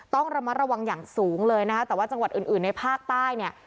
ต้องระมัดระวังอย่างสูงเลยนะคะแต่ว่าจังหวัดอื่นในภาคใต้เนี่ย